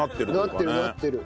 なってるなってる。